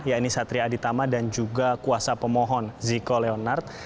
yaitu satria aditama dan juga kuasa pemohon ziko leonard